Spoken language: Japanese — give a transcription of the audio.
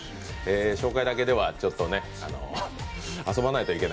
紹介だけではね、ちょっと遊ばないと。